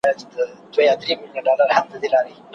محتسب مو پر منبر باندي امام سو